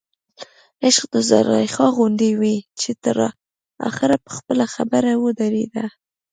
عشق د زلیخا غوندې وي چې تر اخره په خپله خبر ودرېده.